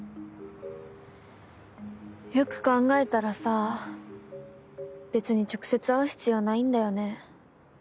よく考えたらさ別に直接会う必要ないんだよね。